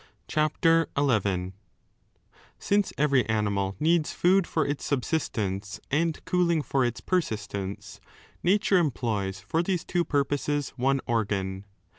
CHAPTER XL SiNCB every animal needs food for its subsistence and cooling for its persistence, nature employs for these two purposes one organ.